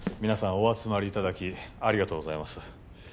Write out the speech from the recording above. お集まりいただきありがとうございます